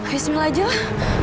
bismillah aja lah